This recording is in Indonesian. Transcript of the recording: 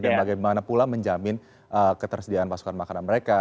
dan bagaimana pula menjamin ketersediaan pasukan makanan mereka